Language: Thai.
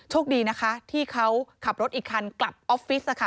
โชคดีนะคะที่เขาขับรถอีกคันกลับออฟฟิศค่ะ